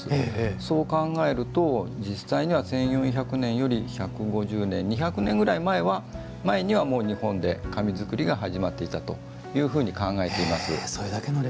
そう考えると実際には、１４００年より１５０年、２００年ぐらい前にはもう日本で紙作りが始まっていたというふうに考えています。